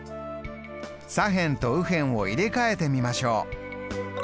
左辺と右辺を入れ替えてみましょう。